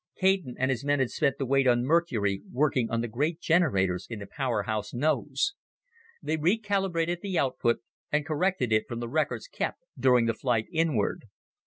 Caton and his men had spent the wait on Mercury working on the great generators in the powerhouse nose. They recalibrated the output and corrected it from the records kept during the flight inward.